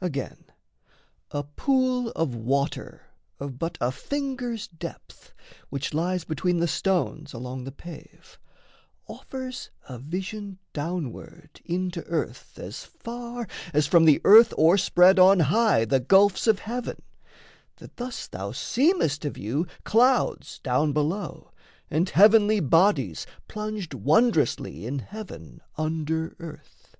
Again, A pool of water of but a finger's depth, Which lies between the stones along the pave, Offers a vision downward into earth As far, as from the earth o'erspread on high The gulfs of heaven; that thus thou seemest to view Clouds down below and heavenly bodies plunged Wondrously in heaven under earth.